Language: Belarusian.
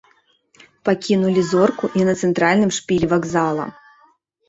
Пакінулі зорку і на цэнтральным шпілі вакзала.